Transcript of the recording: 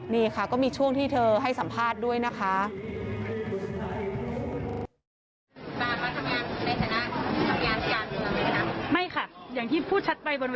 นี่ค่ะก็มีช่วงที่เธอให้สัมภาษณ์ด้วยนะคะ